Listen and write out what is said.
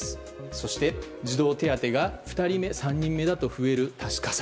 そして児童手当が２人目３人目だと増える多子加算。